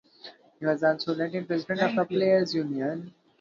He was also elected president of the players' union.